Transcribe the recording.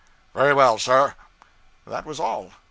'Very well, sir.' That was all.